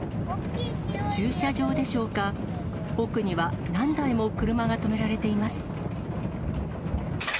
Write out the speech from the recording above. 駐車場でしょうか、奥には何台も車が止められています。